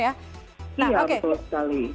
iya betul sekali